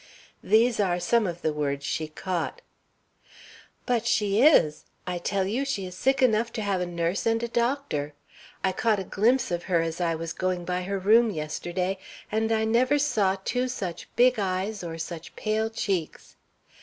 These are some of the words she caught: "But she is! I tell you she is sick enough to have a nurse and a doctor. I caught a glimpse of her as I was going by her room yesterday, and I never saw two such big eyes or such pale cheeks.